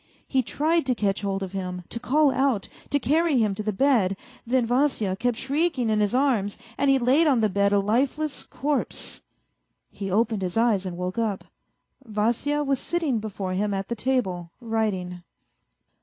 He tried to catch hold of him, to call out, to carry lu'm to the bed. Then Vasya kept shrieking in his arms, and he laid on the bed a lifeless corpse. He opened his eyes and woke up; Vasya was sitting before him at the table, writing.